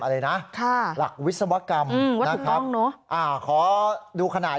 อะไรนะค่ะหลักวิศวกรรมอืมว่าถูกต้องเนอะอ่าขอดูขนาด